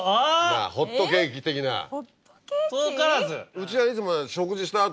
うちはいつも。